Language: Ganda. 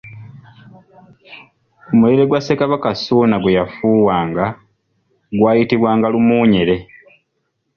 Omulere gwa Ssekabaka Ssuuna gwe yafuuwanga gwayitibwanga Lumuunyere.